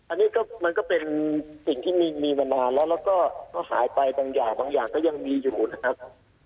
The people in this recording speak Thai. อันนี้ก็มันก็เป็นสิ่งที่มีมานานแล้วแล้วก็หายไปบางอย่างบางอย่างก็ยังมีอยู่นะครับ